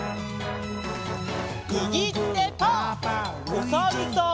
おさるさん。